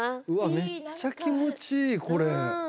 めっちゃ気持ちいいこれ。